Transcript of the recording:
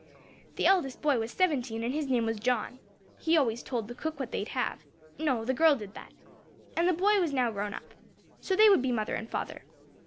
The eldest boy was seventeen, and his name was John. He always told the cook what they'd have no, the girl did that. And the boy was now grown up. So they would be mother and father."